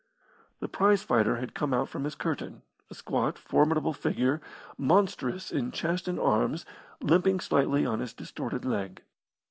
The prize fighter had come out from his curtain, a squat, formidable figure, monstrous in chest and arms, limping slightly on his distorted leg.